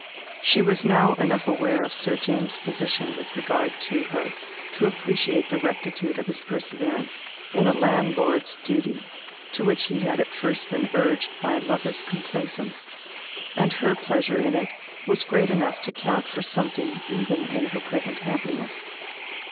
She was now enough aware of Sir James's position with regard to her, to appreciate the rectitude of his perseverance in a landlord's duty, to which he had at first been urged by a lover's complaisance, and her pleasure in it was great enough to count for something even in her present happiness.